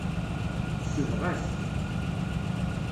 Tesbeɣ-as-tt.